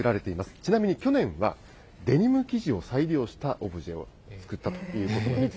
ちなみに去年は、デニム生地を再利用したオブジェを作ったということです。